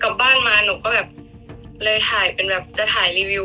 กลับบ้านมาหนูก็แบบเลยถ่ายเป็นแบบจะถ่ายรีวิว